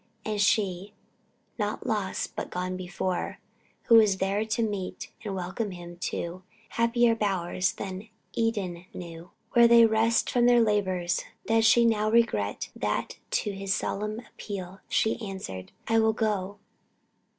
And she "Not lost, but gone before," who was there to meet and welcome him to "happier bowers than Eden knew," where they rest from their labors, does she now regret that to his solemn appeal, she answered, "I will go?"